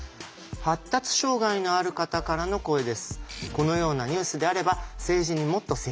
発達障害のある方からの声です。